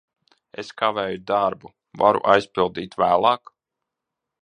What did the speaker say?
Es kavēju darbu. Varu aizpildīt vēlāk?